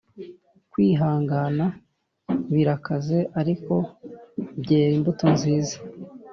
kwihangana birakaze, ariko byera imbuto nziza